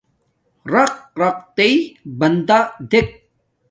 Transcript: رَقرقتݵئ بندݺ دݵک.